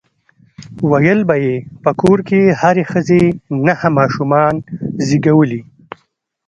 ويل به يې په کور کې هرې ښځې نهه ماشومان زيږولي.